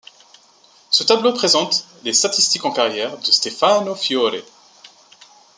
Ce tableau présente les statistiques en carrière de Stefano Fiore.